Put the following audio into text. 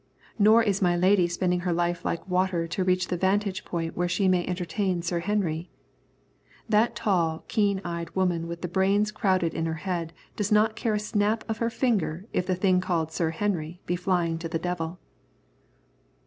Nor is my lady spending her life like water to reach the vantage point where she may entertain Sir Henry. That tall, keen eyed woman with the brains crowded in her head does not care a snap of her finger if the thing called Sir Henry be flying to the devil.